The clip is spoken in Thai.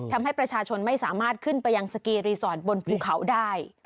ทำให้ประชาชนไม่สามารถขึ้นไปยังสกีรีสอร์ทบนภูเขาได้